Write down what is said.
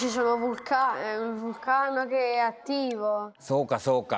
そうかそうか。